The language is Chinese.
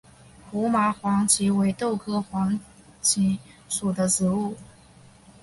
胡麻黄耆为豆科黄芪属的植物。